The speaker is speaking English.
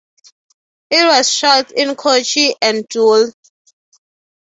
It was shot in Kochi and Dhule.